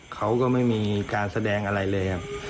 เขาก็ไม่มีการแสดงอะไรเลยครับ